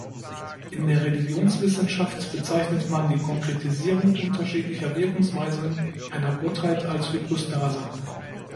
In der Religionswissenschaft bezeichnet man die Konkretisierung unterschiedlicher Wirkungsweisen einer Gottheit als Hypostase.